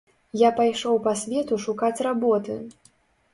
Я пайшоў па свету шукаць работы.